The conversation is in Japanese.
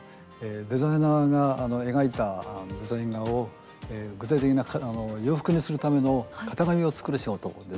デザイナーが描いたデザイン画を具体的な洋服にするための型紙を作る仕事です。